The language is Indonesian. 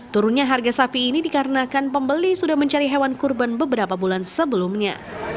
turunnya harga sapi ini dikarenakan pembeli sudah mencari hewan kurban beberapa bulan sebelumnya